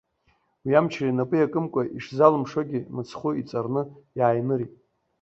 Уи амчра инапы иакымкәа ишзалымшозгьы мыцхәы иҵарны иааинырит.